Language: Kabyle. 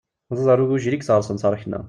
D aḍar n ugujil i yesɣersen taṛakna.